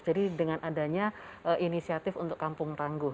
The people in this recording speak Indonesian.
jadi dengan adanya inisiatif untuk kampung tangguh